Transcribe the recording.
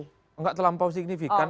tidak terlampau signifikan